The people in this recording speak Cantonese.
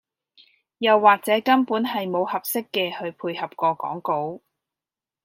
又或者根本係無合適嘅去配合個講稿